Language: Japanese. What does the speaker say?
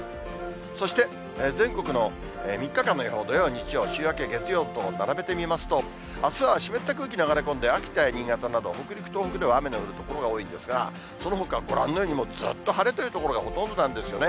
そして全国の３日間の予報、土曜、日曜、週明け月曜と、並べてみますと、あすは湿った空気流れ込んで、秋田や新潟など、北陸、東北では雨の降る所が多いんですが、そのほか、ご覧のように、ずっと晴れという所がほとんどなんですよね。